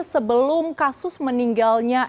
sebelum kasus meninggalnya